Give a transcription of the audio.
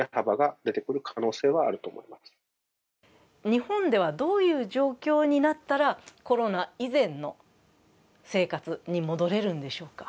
日本ではどういう状況になったらコロナ以前の生活に戻れるんでしょうか？